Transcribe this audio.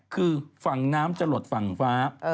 คือฝั่งน้ำจะหลดฝั่งฟ้า